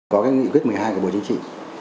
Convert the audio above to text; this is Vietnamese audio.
có cái nghị quyết một mươi hai của bộ chính trị